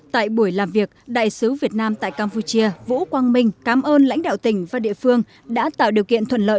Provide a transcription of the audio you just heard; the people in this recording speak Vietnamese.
tại buổi làm việc đại sứ việt nam tại campuchia vũ quang minh cảm ơn lãnh đạo tỉnh và địa phương đã tạo điều kiện thuận lợi